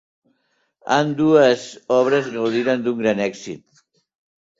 Ambdues obres gaudiren d'un gran èxit.